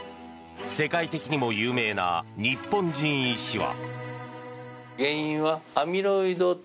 世界的にも有名な日本人医師は。